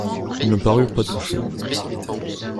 Ils ne parurent pas touchés.